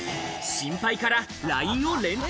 心配からＬＩＮＥを連投。